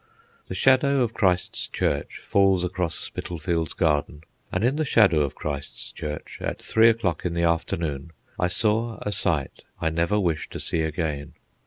The shadow of Christ's Church falls across Spitalfields Garden, and in the shadow of Christ's Church, at three o'clock in the afternoon, I saw a sight I never wish to see again.